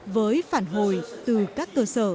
với phản hồi từ các cơ sở